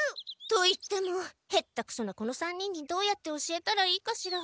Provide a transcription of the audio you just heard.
といっても下手くそなこの３人にどうやって教えたらいいかしら。